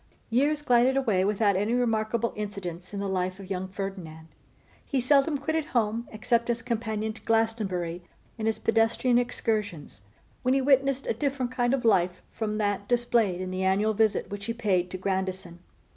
_ YEARS glided away without any remarkable incidents in the life of young Ferdinand. He seldom quitted home, except as companion to Glastonbury in his pedestrian excursions, when he witnessed a different kind of life from that displayed in the annual visit which he paid to Grandison.